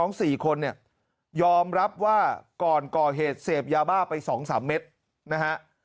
๔คนเนี่ยยอมรับว่าก่อนก่อเหตุเสพยาบ้าไป๒๓เม็ดนะฮะ